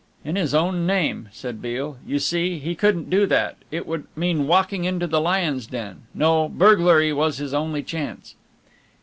"In his own name," said Beale, "you see, he couldn't do that. It would mean walking into the lion's den. No, burglary was his only chance."